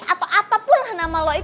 atau apapun lah nama lo